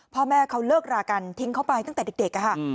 พ่อแม่เขาเลิกรากันทิ้งเขาไปตั้งแต่เด็กค่ะ